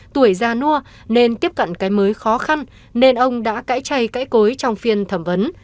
tuổi già nua nên tiếp cận cái mới khó khăn nên ông đã cãi chay cãi cối trong phiên thẩm vấn